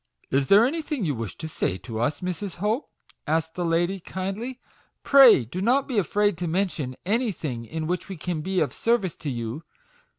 " Is there anything you wish to say to us, Mrs. Hope?" said the lady, kindly; "pray do not be afraid to mention anything in which we can be of service to you.